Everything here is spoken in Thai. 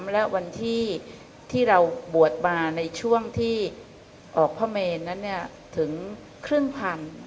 และวันที่เราบวชมาในช่วงที่ออกพระเมนนั้นถึงครึ่งพัน